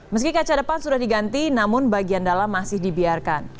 meski kaca depan sudah diganti namun bagian dalam masih dibiarkan